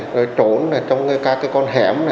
rồi trốn trong các con hẻm